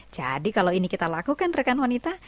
jadi kalau ini kita lakukan rekan wanita